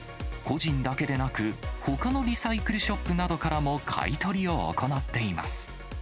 個人だけでなく、ほかのリサイクルショップなどからも買い取りを行っています。